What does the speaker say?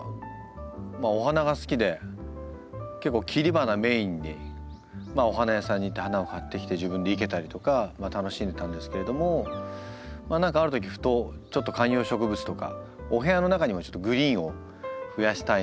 お花が好きで結構切り花メインでお花屋さんに行って花を買ってきて自分で生けたりとか楽しんでたんですけれども何かあるときふとちょっと観葉植物とかお部屋の中にもグリーンを増やしたいなと思い始めて。